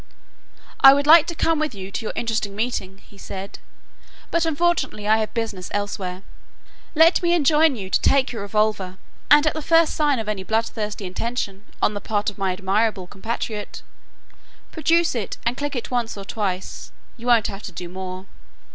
"I would like to come with you to your interesting meeting," he said, "but unfortunately I have business elsewhere. Let me enjoin you to take your revolver and at the first sign of any bloodthirsty intention on the part of my admirable compatriot, produce it and click it once or twice, you won't have to do more."